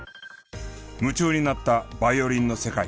夢中になったバイオリンの世界。